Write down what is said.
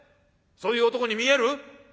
そういう男に見える？